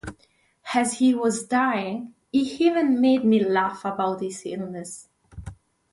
As he was dying, he even made me laugh about his illness.